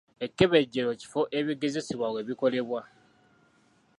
Ekkebejjerero kifo ebigezesebwa we bikolebwa.